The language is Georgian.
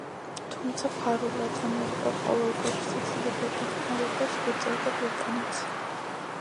თუმცა ფარულად ამერიკა ყოველგვარ შესაძლებელ დახმარებას უწევდა ბრიტანეთს.